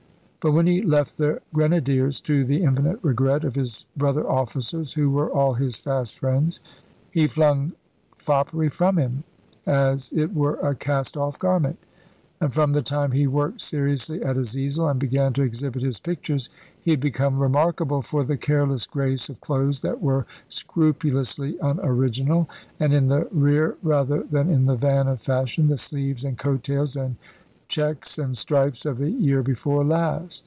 But when he left the Grenadiers to the infinite regret of his brother officers, who were all his fast friends he flung foppery from him as it were a cast off garment; and from the time he worked seriously at his easel, and began to exhibit his pictures, he had become remarkable for the careless grace of clothes that were scrupulously unoriginal, and in the rear rather than in the van of fashion, the sleeves and coat tails and checks and stripes of the year before last.